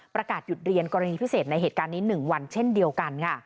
ประกาศหยุดเรียนกรณีพิเศษในเหตุการณ์นี้๑วันเช่นเดียวกันค่ะ